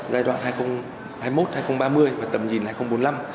giai đoạn hai nghìn hai mươi một hai nghìn ba mươi và tầm nhìn hai nghìn bốn mươi năm